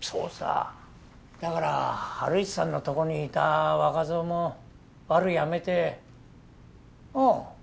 そうさだからハルイチさんのとこにいた若僧もワルやめてあぁ